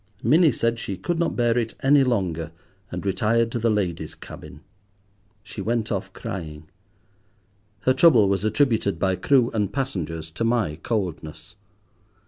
Minnie said she could not bear it any longer, and retired to the ladies' cabin. She went off crying. Her trouble was attributed by crew and passengers to my coldness.